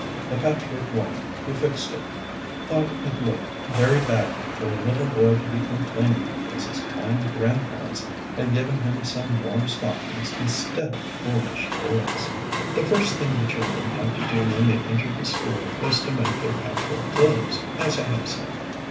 The Patchwork Woman, who fixed it, thought it looked very badly for a little boy to be complaining because his kind grandparents had given him some warm stockings instead of foolish toys. The first thing the children had to do when they entered the school, was to make their patchwork clothes, as I have said.